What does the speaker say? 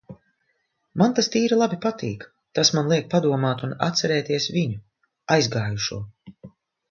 Man tas tīri labi patīk. Tas man liek padomāt un atcerēties viņu - aizgājušo.